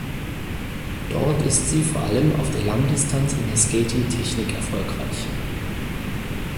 Dort ist sie vor allem auf der Langdistanz in der Skating-Technik erfolgreich.